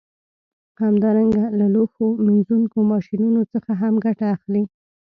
همدارنګه له لوښو مینځونکو ماشینونو څخه هم ګټه اخلي